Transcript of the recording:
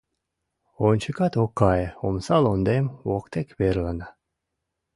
Ончыкат ок кае, омса лондем воктек верлана.